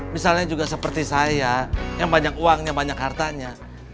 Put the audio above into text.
misalnya juga seperti saya yang banyak uangnya banyak hartanya